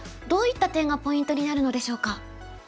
どういった点がポイントになるのでしょうか。